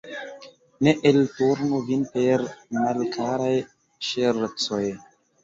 Ne elturnu vin per malkaraj ŝercoj!